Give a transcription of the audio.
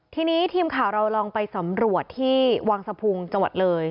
ทีนี้ทีมข่าวเราลองไปสำรวจที่วังสะพุงจังหวัดเลย